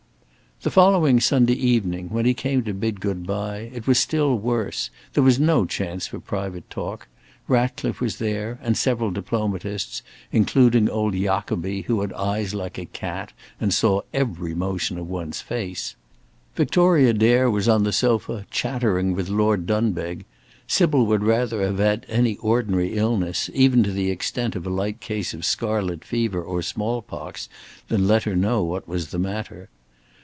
The following Sunday evening when he came to bid good bye, it was still worse. There was no chance for private talk. Ratcliffe was there, and several diplomatists, including old Jacobi, who had eyes like a cat and saw every motion of one's face. Victoria Dare was on the sofa, chattering with Lord Dunbeg; Sybil would rather have had any ordinary illness, even to the extent of a light case of scarlet fever or small pox than let her know what was the matter.